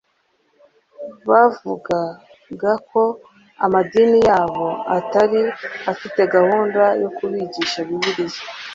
bavugaga ko amadini yabo atari afite gahunda yo kubigisha bibiliya